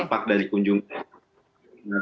tampak dari kunjungan